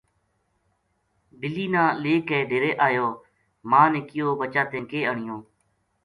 کے بِلی نا لے ڈیرے کے اَیو ماں نے کہیو "بچا تیں کے آنیو